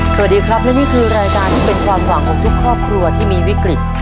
สวัสดีครับและนี่คือรายการที่เป็นความหวังของทุกครอบครัวที่มีวิกฤต